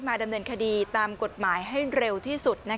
ดำเนินคดีตามกฎหมายให้เร็วที่สุด